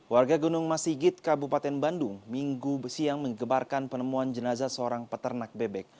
warga gunung masigit kabupaten bandung minggu siang mengembarkan penemuan jenazah seorang peternak bebek